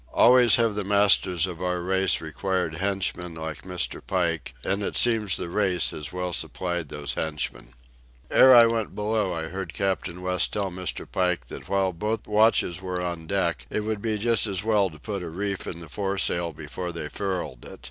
Always have the masters of our race required henchmen like Mr. Pike, and it seems the race has well supplied those henchmen. Ere I went below I heard Captain West tell Mr. Pike that while both watches were on deck it would be just as well to put a reef in the foresail before they furled it.